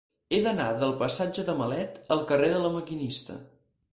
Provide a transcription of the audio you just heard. He d'anar del passatge de Malet al carrer de La Maquinista.